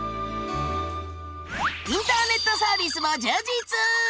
インターネットサービスも充実！